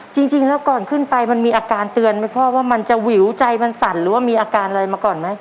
จริงแล้วก่อนขึ้นไปมันมีอาการเตือนไหมพ่อว่ามันจะวิวใจมันสั่นหรือว่ามีอาการอะไรมาก่อนไหม